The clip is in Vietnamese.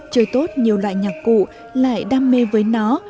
chơi tốt nhiều loại nhạc cụ lại đam mê với nó